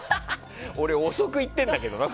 俺、遅く行ってるんだけどね